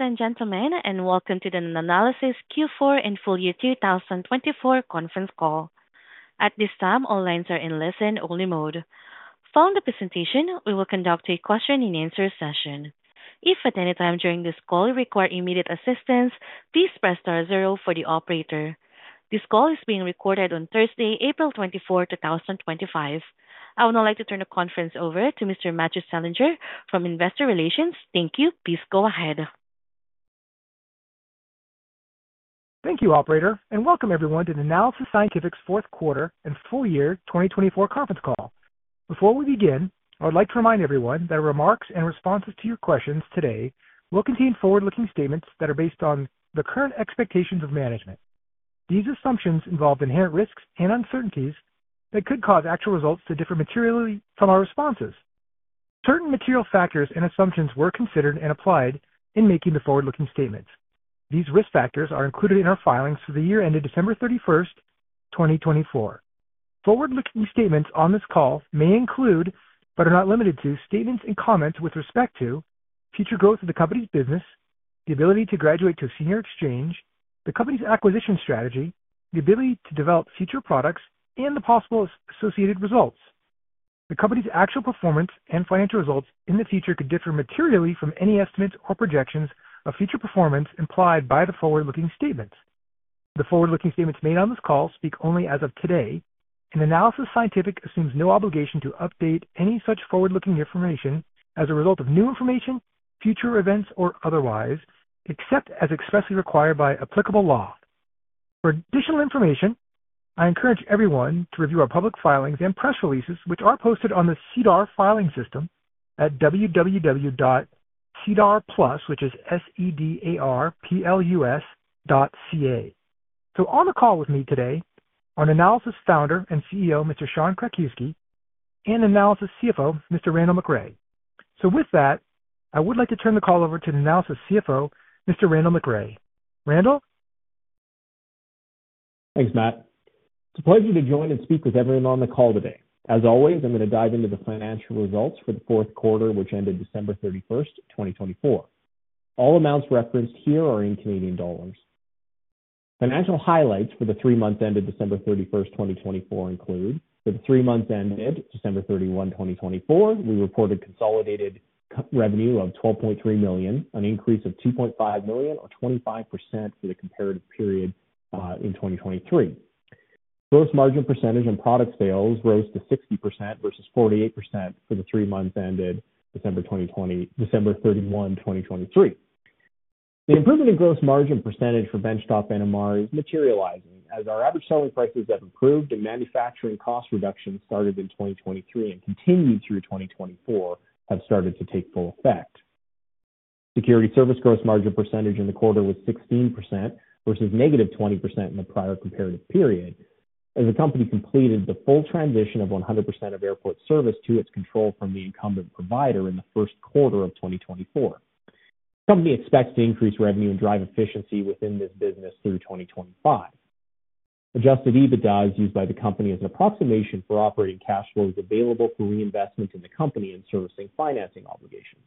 Ladies and gentlemen, and welcome to the Nanalysis Q4 and Full year 2024 Conference call. At this time, all lines are in listen-only mode. Following the presentation, we will conduct a question-and-answer session. If at any time during this call you require immediate assistance, please press star zero for the operator. This call is being recorded on Thursday, April 24, 2025. I would now like to turn the conference over to Mr. Matthew Selinger from Investor Relations. Thank you. Please go ahead. Thank you, Operator, and welcome everyone to Nanalysis Scientific's Fourth Quarter and Full Year 2024 conference call. Before we begin, I would like to remind everyone that our remarks and responses to your questions today will contain forward-looking statements that are based on the current expectations of management. These assumptions involve inherent risks and uncertainties that could cause actual results to differ materially from our responses. Certain material factors and assumptions were considered and applied in making the forward-looking statements. These risk factors are included in our filings for the year ended December 31st, 2024. Forward-looking statements on this call may include, but are not limited to, statements and comments with respect to future growth of the company's business, the ability to graduate to a senior exchange, the company's acquisition strategy, the ability to develop future products, and the possible associated results. The company's actual performance and financial results in the future could differ materially from any estimates or projections of future performance implied by the forward-looking statements. The forward-looking statements made on this call speak only as of today. Nanalysis Scientific assumes no obligation to update any such forward-looking information as a result of new information, future events, or otherwise, except as expressly required by applicable law. For additional information, I encourage everyone to review our public filings and press releases, which are posted on the SEDAR filing system at www.sedarplus, which is S-E-D-A-R-P-L-U-S dot C-A. On the call with me today are Nanalysis Founder and CEO, Mr. Sean Krakiwsky, and Nanalysis CFO, Mr. Randall McRae. With that, I would like to turn the call over to Nanalysis CFO, Mr. Randall McRae. Randall? Thanks, Matt. It's a pleasure to join and speak with everyone on the call today. As always, I'm going to dive into the financial results for the fourth quarter, which ended December 31st, 2024. All amounts referenced here are in Canadian Dollars. Financial highlights for the three months ended December 31st, 2024 include that the three months ended December 31, 2024, we reported consolidated revenue of 12.3 million, an increase of 2.5 million, or 25% for the comparative period in 2023. Gross margin percentage and product sales rose to 60% versus 48% for the three months ended December 31, 2023. The improvement in gross margin percentage for benchtop NMR is materializing as our average selling prices have improved and manufacturing cost reductions started in 2023 and continued through 2024 have started to take full effect. Security service gross margin percentage in the quarter was 16% versus negative 20% in the prior comparative period as the company completed the full transition of 100% of airport service to its control from the incumbent provider in the first quarter of 2024. The company expects to increase revenue and drive efficiency within this business through 2025. Adjusted EBITDA is used by the company as an approximation for operating cash flows available for reinvestment in the company and servicing financing obligations.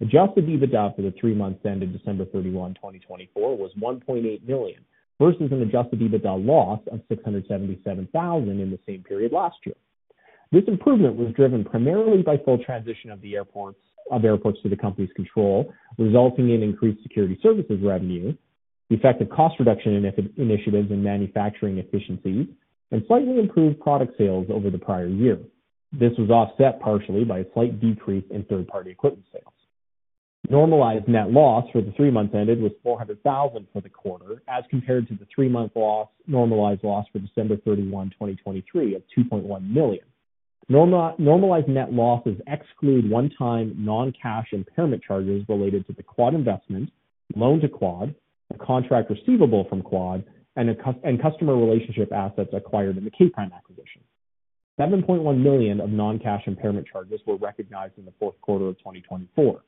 Adjusted EBITDA for the three months ended December 31, 2024, was 1.8 million versus an Adjusted EBITDA loss of 677,000 in the same period last year. This improvement was driven primarily by full transition of the airports to the company's control, resulting in increased security services revenue, effective cost reduction initiatives in manufacturing efficiencies, and slightly improved product sales over the prior year. This was offset partially by a slight decrease in third-party equipment sales. Normalized net loss for the three months ended was 400,000 for the quarter as compared to the three-month normalized net loss for December 31, 2023, of 2.1 million. Normalized net losses exclude one-time non-cash impairment charges related to the Quad investment, loan to Quad, a contract receivable from Quad, and customer relationship assets acquired in the K'(Prime) acquisition. 7.1 million of non-cash impairment charges were recognized in the fourth quarter of 2024.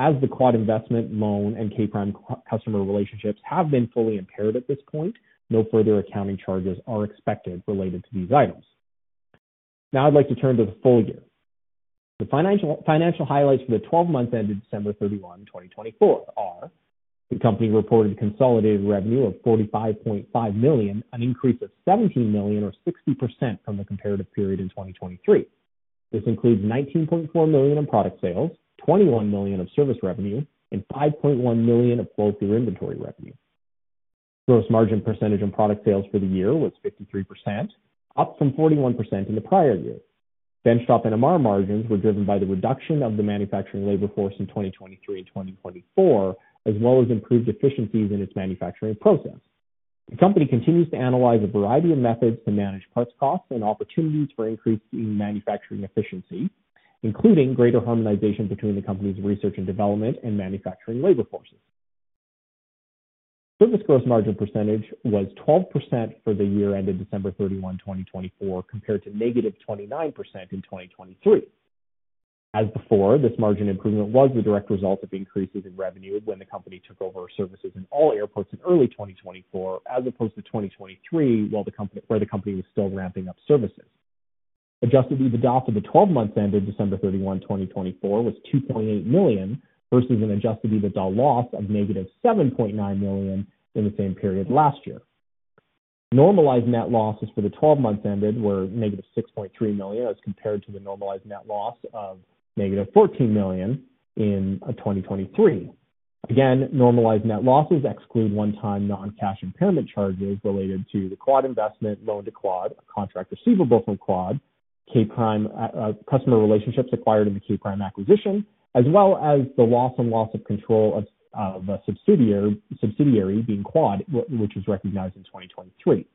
As the Quad investment, loan, and K'(Prime) customer relationships have been fully impaired at this point, no further accounting charges are expected related to these items. Now I'd like to turn to the full year. The financial highlights for the 12 months ended December 31, 2024, are the company reported consolidated revenue of 45.5 million, an increase of 17 million, or 60% from the comparative period in 2023. This includes 19.4 million in product sales, 21 million of service revenue, and 5.1 million of flow-through inventory revenue. Gross margin percentage and product sales for the year was 53%, up from 41% in the prior year. Benchtop NMR margins were driven by the reduction of the manufacturing labor force in 2023 and 2024, as well as improved efficiencies in its manufacturing process. The company continues to analyze a variety of methods to manage parts costs and opportunities for increase in manufacturing efficiency, including greater harmonization between the company's research and development and manufacturing labor forces. Service gross margin percentage was 12% for the year ended December 31, 2024, compared to negative 29% in 2023. As before, this margin improvement was the direct result of increases in revenue when the company took over services in all airports in early 2024, as opposed to 2023, where the company was still ramping up services. Adjusted EBITDA for the 12 months ended December 31, 2024, was 2.8 million versus an Adjusted EBITDA loss of -7.9 million in the same period last year. Normalized net losses for the 12 months ended were -6.3 million as compared to the normalized net loss of -14 million in 2023. Again, normalized net losses exclude one-time non-cash impairment charges related to the Quad investment, loan to Quad, a contract receivable from Quad, customer relationships acquired in the K'(Prime) acquisition, as well as the loss and loss of control of a subsidiary being Quad, which was recognized in 2023.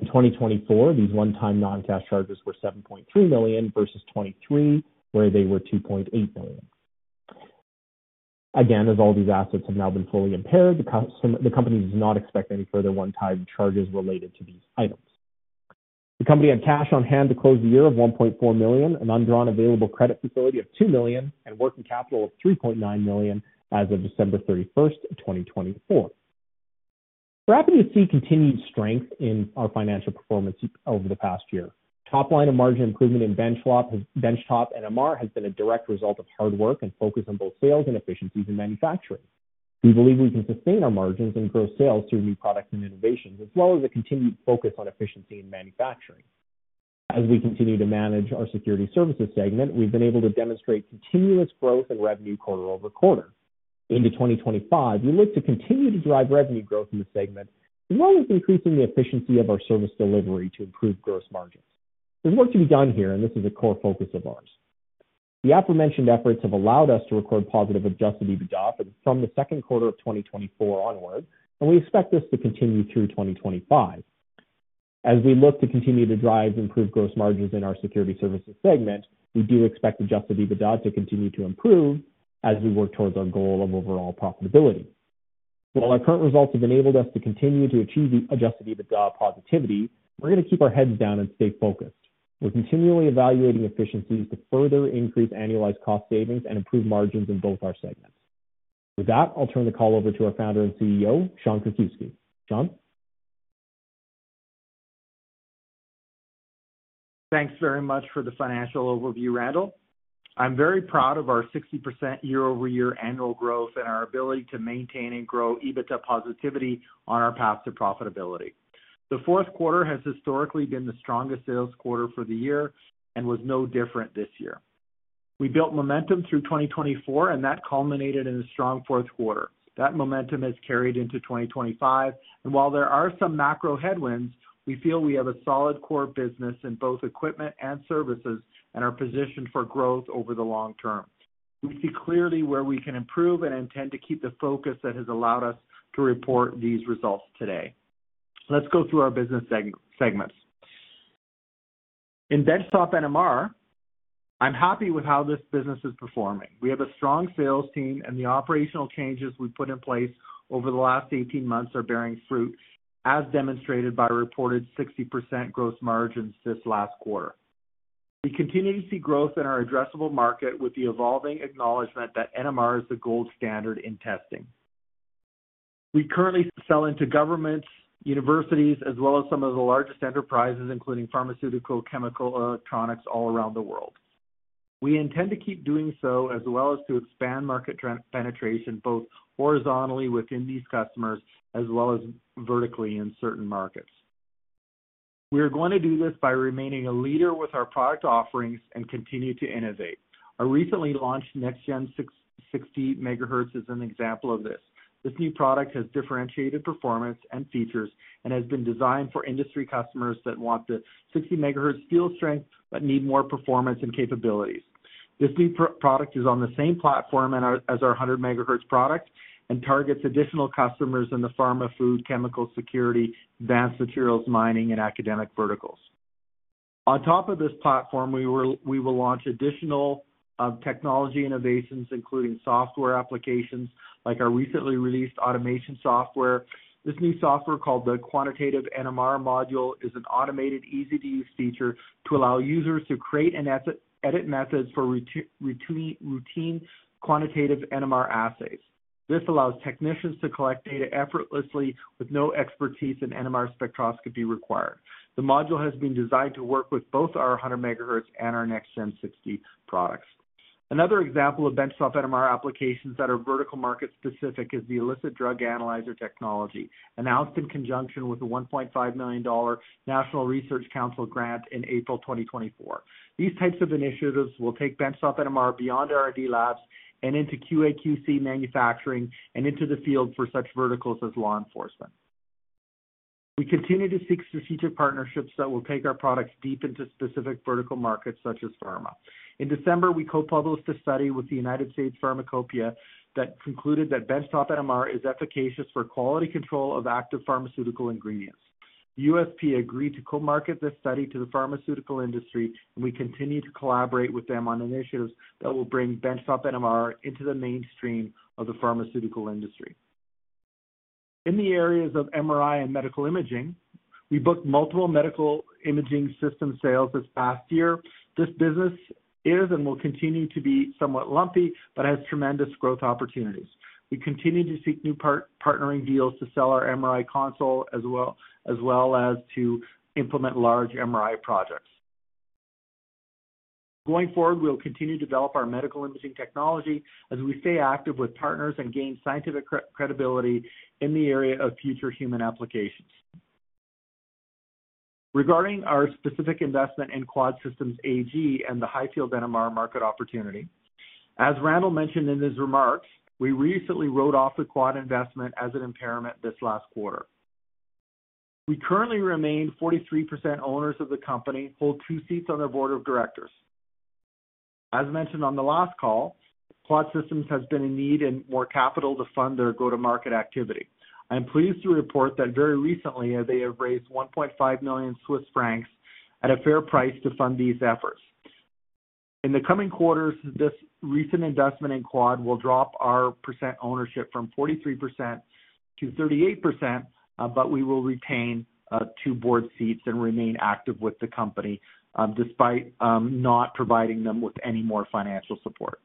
In 2024, these one-time non-cash charges were 7.3 million versus 2023, where they were 2.8 million. Again, as all these assets have now been fully impaired, the company does not expect any further one-time charges related to these items. The company had cash on hand to close the year of 1.4 million, an undrawn available credit facility of 2 million, and working capital of 3.9 million as of December 31st, 2024. We're happy to see continued strength in our financial performance over the past year. Top line of margin improvement in benchtop NMR has been a direct result of hard work and focus on both sales and efficiencies in manufacturing. We believe we can sustain our margins and grow sales through new products and innovations, as well as a continued focus on efficiency in manufacturing. As we continue to manage our security services segment, we've been able to demonstrate continuous growth in revenue quarter-over-quarter. Into 2025, we look to continue to drive revenue growth in the segment, as well as increasing the efficiency of our service delivery to improve gross margins. There's work to be done here, and this is a core focus of ours. The aforementioned efforts have allowed us to record positive Adjusted EBITDA from the second quarter of 2024 onward, and we expect this to continue through 2025. As we look to continue to drive improved gross margins in our security services segment, we do expect Adjusted EBITDA to continue to improve as we work towards our goal of overall profitability. While our current results have enabled us to continue to achieve Adjusted EBITDA positivity, we're going to keep our heads down and stay focused. We're continually evaluating efficiencies to further increase annualized cost savings and improve margins in both our segments. With that, I'll turn the call over to our Founder and CEO, Sean Krakiwsky. Sean? Thanks very much for the financial overview, Randall. I'm very proud of our 60% year-over-year annual growth and our ability to maintain and grow EBITDA positivity on our path to profitability. The fourth quarter has historically been the strongest sales quarter for the year and was no different this year. We built momentum through 2024, and that culminated in a strong fourth quarter. That momentum has carried into 2025, and while there are some macro headwinds, we feel we have a solid core business in both equipment and services and are positioned for growth over the long term. We see clearly where we can improve and intend to keep the focus that has allowed us to report these results today. Let's go through our business segments. In benchtop NMR, I'm happy with how this business is performing. We have a strong sales team, and the operational changes we put in place over the last 18 months are bearing fruit, as demonstrated by reported 60% gross margins this last quarter. We continue to see growth in our addressable market with the evolving acknowledgment that NMR is the gold standard in testing. We currently sell into governments, universities, as well as some of the largest enterprises, including pharmaceutical, chemical, electronics all around the world. We intend to keep doing so, as well as to expand market penetration both horizontally within these customers as well as vertically in certain markets. We are going to do this by remaining a leader with our product offerings and continue to innovate. Our recently launched NextGen 60 MHz is an example of this. This new product has differentiated performance and features and has been designed for industry customers that want the 60 MHz steel strength but need more performance and capabilities. This new product is on the same platform as our 100 MHz product and targets additional customers in the pharma, food, chemical, security, advanced materials, mining, and academic verticals. On top of this platform, we will launch additional technology innovations, including software applications like our recently released automation software. This new software called the Quantitative NMR Module is an automated, easy-to-use feature to allow users to create and edit methods for routine quantitative NMR assays. This allows technicians to collect data effortlessly with no expertise in NMR spectroscopy required. The module has been designed to work with both our 100 MHz and our NextGen 60 products. Another example of benchtop NMR applications that are vertical market-specific is the Illicit Drug Analyzer technology, announced in conjunction with a 1.5 million dollar National Research Council grant in April 2024. These types of initiatives will take benchtop NMR beyond R&D labs and into QA/QC manufacturing and into the field for such verticals as law enforcement. We continue to seek strategic partnerships that will take our products deep into specific vertical markets such as pharma. In December, we co-published a study with the United States Pharmacopeia that concluded that benchtop NMR is efficacious for quality control of active pharmaceutical ingredients. USP agreed to co-market this study to the pharmaceutical industry, and we continue to collaborate with them on initiatives that will bring benchtop NMR into the mainstream of the pharmaceutical industry. In the areas of MRI and medical imaging, we booked multiple medical imaging system sales this past year. This business is and will continue to be somewhat lumpy but has tremendous growth opportunities. We continue to seek new partnering deals to sell our MRI console as well as to implement large MRI projects. Going forward, we'll continue to develop our medical imaging technology as we stay active with partners and gain scientific credibility in the area of future human applications. Regarding our specific investment in Quad Systems AG and the high-field NMR market opportunity, as Randall mentioned in his remarks, we recently wrote off the Quad investment as an impairment this last quarter. We currently remain 43% owners of the company, hold two seats on the board of directors. As mentioned on the last call, Quad Systems has been in need and more capital to fund their go-to-market activity. I'm pleased to report that very recently, they have raised 1.5 million Swiss francs at a fair price to fund these efforts. In the coming quarters, this recent investment in Quad will drop our percent ownership from 43% to 38%, but we will retain two board seats and remain active with the company despite not providing them with any more financial support.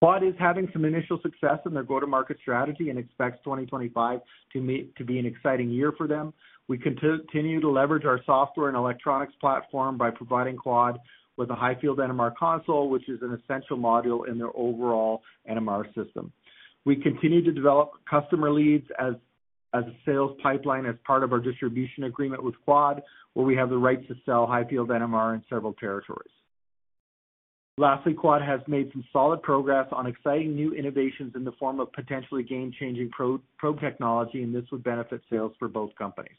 Quad is having some initial success in their go-to-market strategy and expects 2025 to be an exciting year for them. We continue to leverage our software and electronics platform by providing Quad with a high-field NMR console, which is an essential module in their overall NMR system. We continue to develop customer leads as a sales pipeline as part of our distribution agreement with Quad, where we have the rights to sell high-field NMR in several territories. Lastly, Quad has made some solid progress on exciting new innovations in the form of potentially game-changing probe technology, and this would benefit sales for both companies.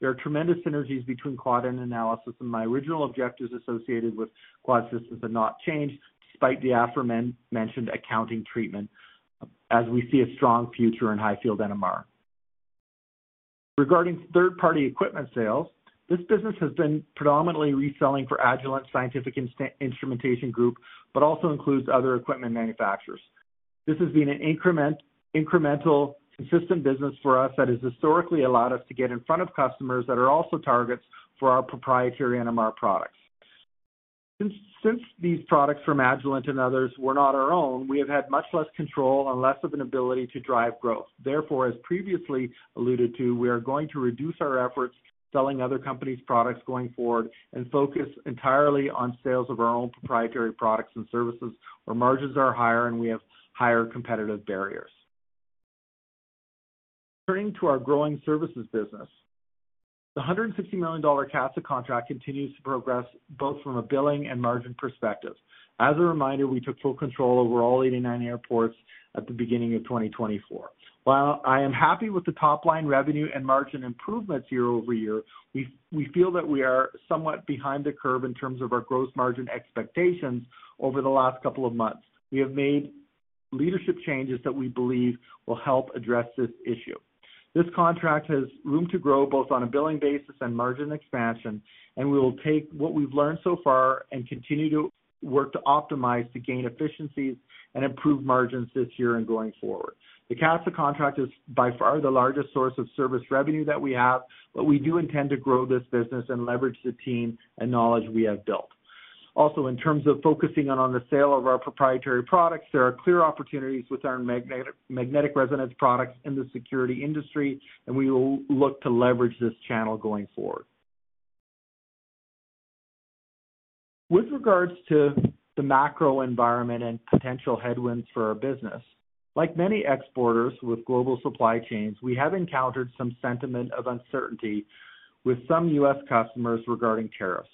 There are tremendous synergies between Quad and Nanalysis, and my original objectives associated with Quad Systems have not changed despite the aforementioned accounting treatment, as we see a strong future in high-field NMR. Regarding third-party equipment sales, this business has been predominantly reselling for Agilent Technologies Scientific Instrumentation Group, but also includes other equipment manufacturers. This has been an incremental, consistent business for us that has historically allowed us to get in front of customers that are also targets for our proprietary NMR products. Since these products from Agilent and others were not our own, we have had much less control and less of an ability to drive growth. Therefore, as previously alluded to, we are going to reduce our efforts selling other companies' products going forward and focus entirely on sales of our own proprietary products and services where margins are higher and we have higher competitive barriers. Turning to our growing services business, the 160 million dollar CATSA contract continues to progress both from a billing and margin perspective. As a reminder, we took full control over all 89 airports at the beginning of 2024. While I am happy with the top-line revenue and margin improvements year-over-year, we feel that we are somewhat behind the curve in terms of our gross margin expectations over the last couple of months. We have made leadership changes that we believe will help address this issue. This contract has room to grow both on a billing basis and margin expansion, and we will take what we've learned so far and continue to work to optimize to gain efficiencies and improve margins this year and going forward. The CATSA contract is by far the largest source of service revenue that we have, but we do intend to grow this business and leverage the team and knowledge we have built. Also, in terms of focusing on the sale of our proprietary products, there are clear opportunities with our magnetic resonance products in the security industry, and we will look to leverage this channel going forward. With regards to the macro environment and potential headwinds for our business, like many exporters with global supply chains, we have encountered some sentiment of uncertainty with some U.S. customers regarding tariffs.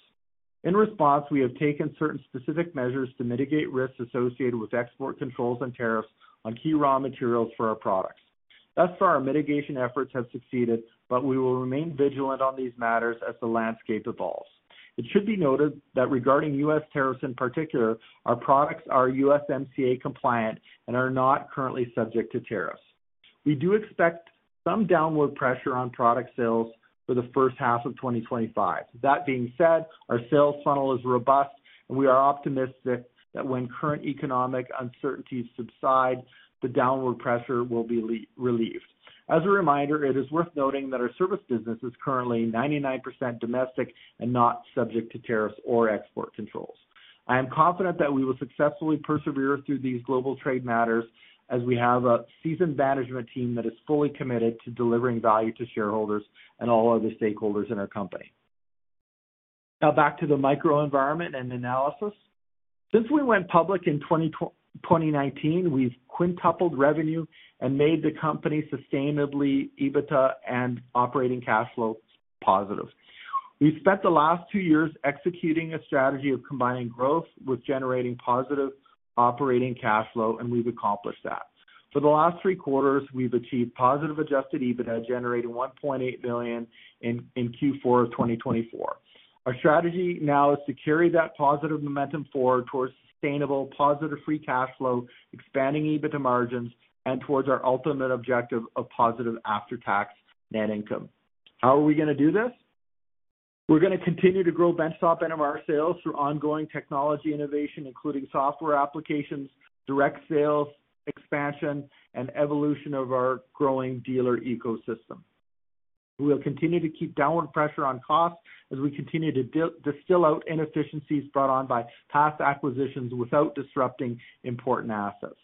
In response, we have taken certain specific measures to mitigate risks associated with export controls and tariffs on key raw materials for our products. Thus far, our mitigation efforts have succeeded, but we will remain vigilant on these matters as the landscape evolves. It should be noted that regarding U.S. tariffs in particular, our products are USMCA compliant and are not currently subject to tariffs. We do expect some downward pressure on product sales for the first half of 2025. That being said, our sales funnel is robust, and we are optimistic that when current economic uncertainties subside, the downward pressure will be relieved. As a reminder, it is worth noting that our service business is currently 99% domestic and not subject to tariffs or export controls. I am confident that we will successfully persevere through these global trade matters as we have a seasoned management team that is fully committed to delivering value to shareholders and all other stakeholders in our company. Now, back to the microenvironment and Nanalysis. Since we went public in 2019, we've quintupled revenue and made the company's sustainability, EBITDA, and operating cash flow positive. We've spent the last two years executing a strategy of combining growth with generating positive operating cash flow, and we've accomplished that. For the last three quarters, we've achieved positive Adjusted EBITDA, generating 1.8 million in Q4 of 2024. Our strategy now is to carry that positive momentum forward towards sustainable, positive free cash flow, expanding EBITDA margins, and towards our ultimate objective of positive after-tax net income. How are we going to do this? We're going to continue to grow benchtop NMR sales through ongoing technology innovation, including software applications, direct sales expansion, and evolution of our growing dealer ecosystem. We'll continue to keep downward pressure on costs as we continue to distill out inefficiencies brought on by past acquisitions without disrupting important assets.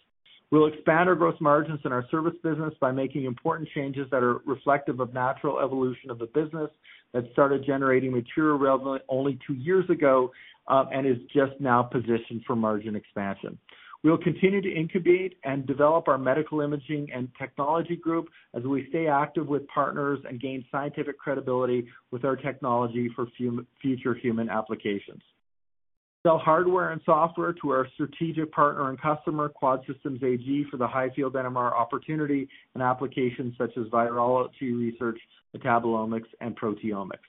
We'll expand our gross margins in our service business by making important changes that are reflective of natural evolution of the business that started generating material revenue only two years ago and is just now positioned for margin expansion. We'll continue to incubate and develop our medical imaging and technology group as we stay active with partners and gain scientific credibility with our technology for future human applications. We'll sell hardware and software to our strategic partner and customer, Quad Systems AG, for the high-field NMR opportunity and applications such as virology research, metabolomics, and proteomics.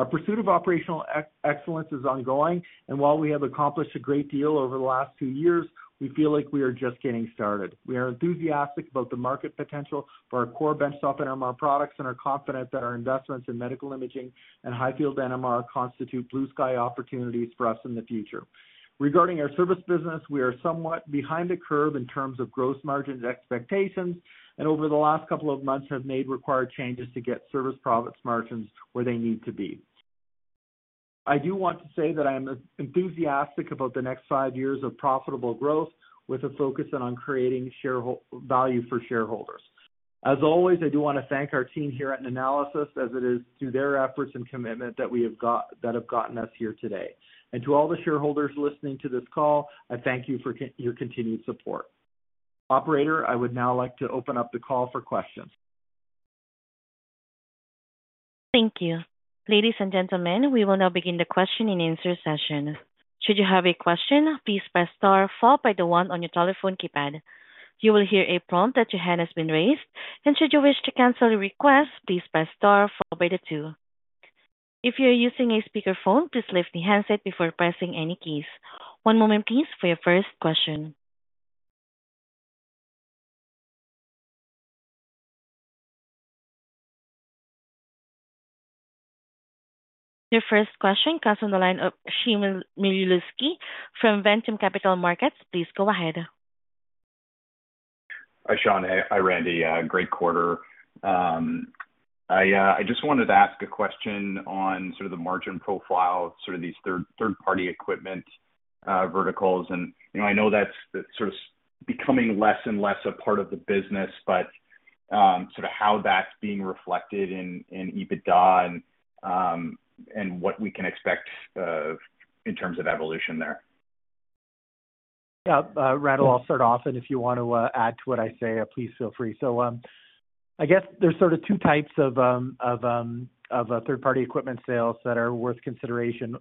Our pursuit of operational excellence is ongoing, and while we have accomplished a great deal over the last two years, we feel like we are just getting started. We are enthusiastic about the market potential for our core benchtop NMR products and are confident that our investments in medical imaging and high-field NMR constitute blue-sky opportunities for us in the future. Regarding our service business, we are somewhat behind the curve in terms of gross margins expectations, and over the last couple of months have made required changes to get service profit margins where they need to be. I do want to say that I am enthusiastic about the next five years of profitable growth with a focus on creating value for shareholders. As always, I do want to thank our team here at Nanalysis as it is to their efforts and commitment that have gotten us here today. To all the shareholders listening to this call, I thank you for your continued support. Operator, I would now like to open up the call for questions. Thank you. Ladies and gentlemen, we will now begin the question and answer session. Should you have a question, please press star followed by the one on your telephone keypad. You will hear a prompt that your hand has been raised, and should you wish to cancel a request, please press star followed by the two. If you are using a speakerphone, please lift the handset before pressing any keys. One moment please for your first question. Your first question comes from the line of Shimon Mielewski from Ventum Capital Markets. Please go ahead. Hi, Sean. Hi, Randy. Great quarter. I just wanted to ask a question on sort of the margin profile, sort of these third-party equipment verticals. I know that's sort of becoming less and less a part of the business, but sort of how that's being reflected in EBITDA and what we can expect in terms of evolution there. Yeah, Randall, I'll start off, and if you want to add to what I say, please feel free. I guess there's sort of two types of third-party equipment sales that are worth consideration.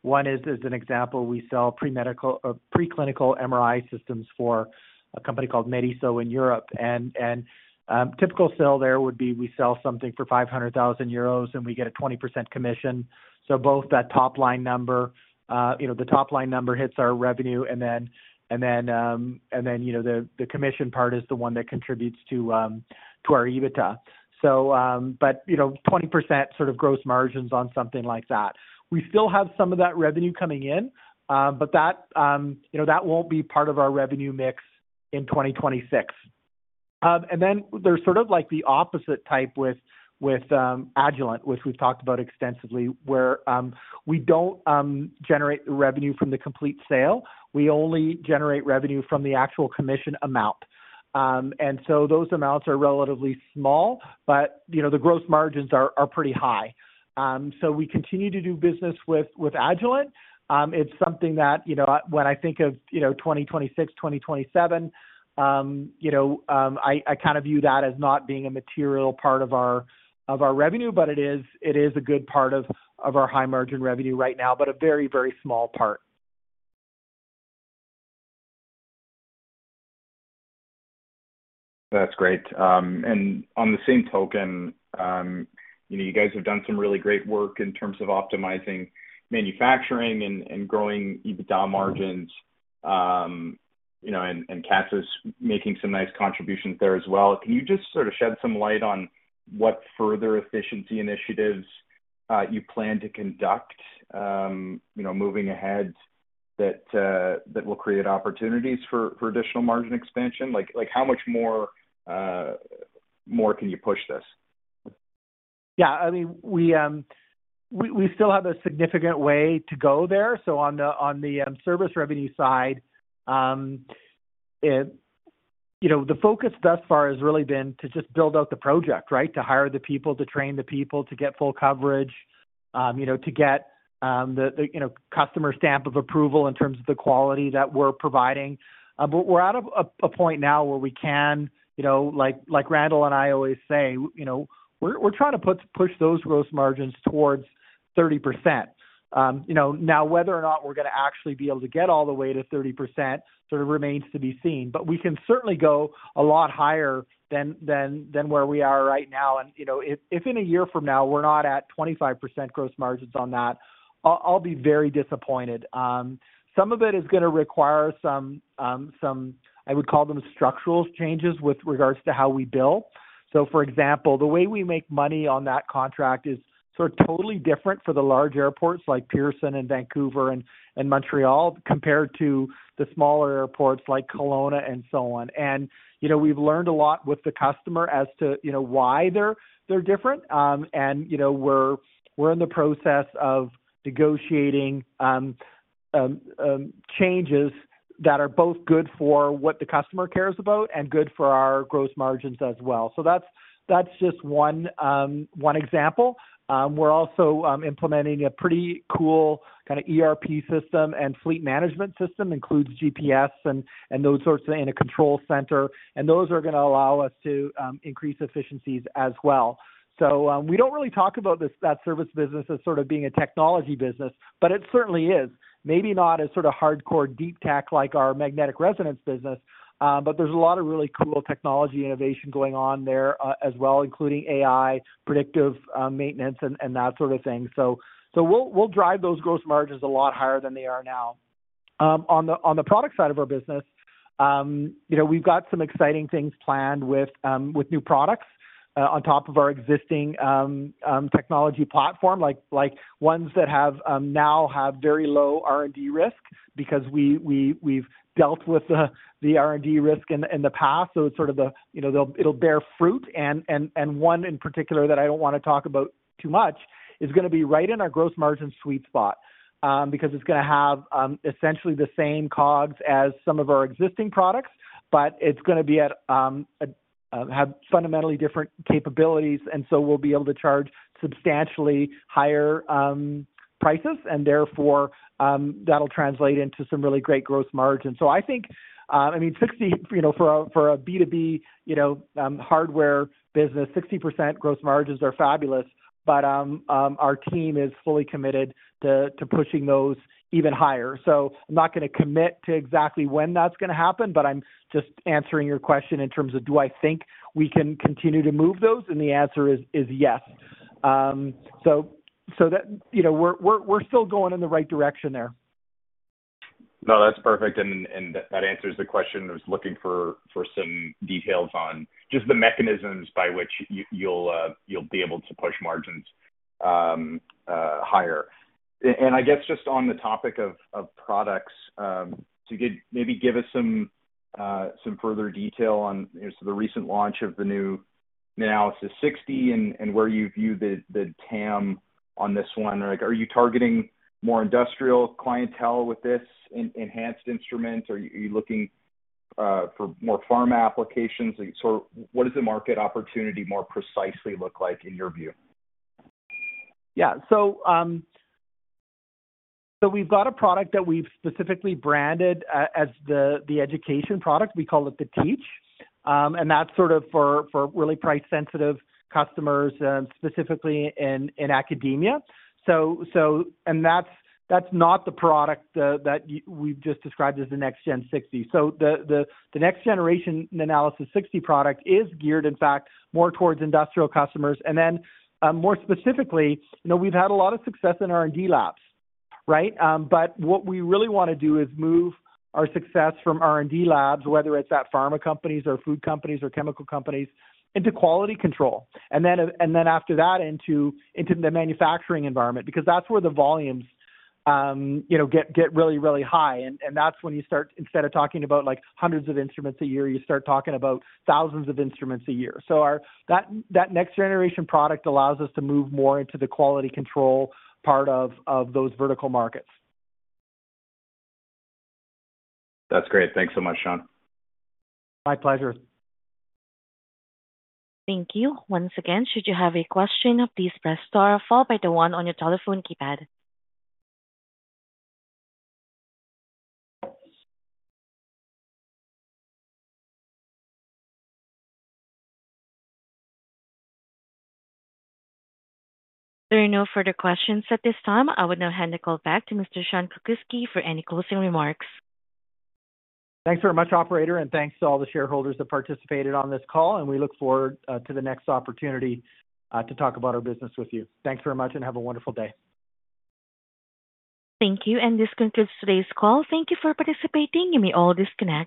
One is, as an example, we sell preclinical MRI systems for a company called Mediso in Europe. A typical sale there would be we sell something for 500,000 euros, and we get a 20% commission. Both that top-line number, the top-line number hits our revenue, and then the commission part is the one that contributes to our EBITDA. 20% sort of gross margins on something like that. We still have some of that revenue coming in, but that will not be part of our revenue mix in 2026. There is sort of the opposite type with Agilent, which we have talked about extensively, where we do not generate revenue from the complete sale. We only generate revenue from the actual commission amount. Those amounts are relatively small, but the gross margins are pretty high. We continue to do business with Agilent. When I think of 2026, 2027, I kind of view that as not being a material part of our revenue, but it is a good part of our high-margin revenue right now, but a very, very small part. That is great. On the same token, you guys have done some really great work in terms of optimizing manufacturing and growing EBITDA margins, and CATSA is making some nice contributions there as well. Can you just sort of shed some light on what further efficiency initiatives you plan to conduct moving ahead that will create opportunities for additional margin expansion? How much more can you push this? Yeah. I mean, we still have a significant way to go there. On the service revenue side, the focus thus far has really been to just build out the project, right? To hire the people, to train the people, to get full coverage, to get the customer stamp of approval in terms of the quality that we're providing. We are at a point now where we can, like Randall and I always say, we're trying to push those gross margins towards 30%. Now, whether or not we're going to actually be able to get all the way to 30% sort of remains to be seen. We can certainly go a lot higher than where we are right now. If in a year from now we're not at 25% gross margins on that, I'll be very disappointed. Some of it is going to require some, I would call them, structural changes with regards to how we bill. For example, the way we make money on that contract is sort of totally different for the large airports like Pearson and Vancouver and Montreal compared to the smaller airports like Kelowna and so on. We've learned a lot with the customer as to why they're different. We're in the process of negotiating changes that are both good for what the customer cares about and good for our gross margins as well. That's just one example. We're also implementing a pretty cool kind of ERP system and fleet management system. It includes GPS and those sorts of things in a control center. Those are going to allow us to increase efficiencies as well. We do not really talk about that service business as sort of being a technology business, but it certainly is. Maybe not as sort of hardcore deep tech like our magnetic resonance business, but there is a lot of really cool technology innovation going on there as well, including AI, predictive maintenance, and that sort of thing. We will drive those gross margins a lot higher than they are now. On the product side of our business, we have got some exciting things planned with new products on top of our existing technology platform, like ones that now have very low R&D risk because we have dealt with the R&D risk in the past. It is sort of the it will bear fruit. One in particular that I do not want to talk about too much is going to be right in our gross margin sweet spot because it is going to have essentially the same cogs as some of our existing products, but it is going to have fundamentally different capabilities. We will be able to charge substantially higher prices, and therefore, that will translate into some really great gross margins. I think, I mean, for a B2B hardware business, 60% gross margins are fabulous, but our team is fully committed to pushing those even higher. I am not going to commit to exactly when that is going to happen, but I am just answering your question in terms of do I think we can continue to move those, and the answer is yes. We are still going in the right direction there. No, that is perfect. That answers the question. I was looking for some details on just the mechanisms by which you'll be able to push margins higher. I guess just on the topic of products, to maybe give us some further detail on the recent launch of the new Nanalysis-60 and where you view the TAM on this one. Are you targeting more industrial clientele with this enhanced instrument? Are you looking for more pharma applications? What does the market opportunity more precisely look like in your view? Yeah. We've got a product that we've specifically branded as the education product. We call it the Teach. That's sort of for really price-sensitive customers, specifically in academia. That's not the product that we've just described as the NextGen 60. The NextGen Nanalysis-60 product is geared, in fact, more towards industrial customers. More specifically, we've had a lot of success in R&D labs, right? What we really want to do is move our success from R&D labs, whether it's at pharma companies or food companies or chemical companies, into quality control. After that, into the manufacturing environment because that's where the volumes get really, really high. That's when you start, instead of talking about hundreds of instruments a year, you start talking about thousands of instruments a year. That Next Generation product allows us to move more into the quality control part of those vertical markets. That's great. Thanks so much, Sean. My pleasure. Thank you. Once again, should you have a question, please press star followed by the one on your telephone keypad. There are no further questions at this time. I will now hand the call back to Mr. Sean Krakiwsky for any closing remarks. Thanks very much, Operator, and thanks to all the shareholders that participated on this call. We look forward to the next opportunity to talk about our business with you. Thanks very much, and have a wonderful day. Thank you. This concludes today's call. Thank you for participating. You may all disconnect.